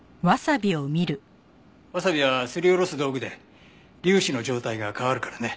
ワサビはすりおろす道具で粒子の状態が変わるからね。